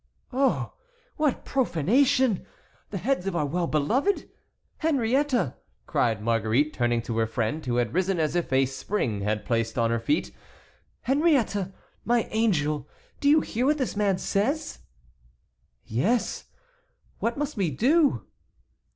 "Oh! What profanation! The heads of our well beloved! Henriette," cried Marguerite, turning to her friend, who had risen as if a spring had placed her on her feet, "Henriette, my angel, do you hear what this man says?" "Yes; what must we do?"